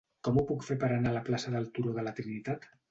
Com ho puc fer per anar a la plaça del Turó de la Trinitat?